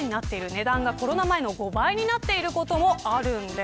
値段がコロナ前の５倍になっていることもあるんです。